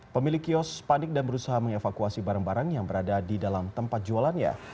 pemilik kios panik dan berusaha mengevakuasi barang barang yang berada di dalam tempat jualannya